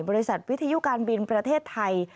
บริษัทวิทยุการบินประเทศไทย